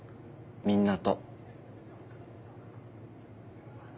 みんなと。